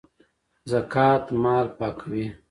زکات مال پاکوي